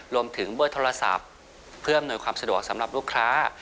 รวมถึงเบอร์โทรศัพท์เพื่ออำนวยความสะดวกสำหรับลูกค้า